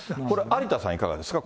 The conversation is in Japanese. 有田さん、いかがですか？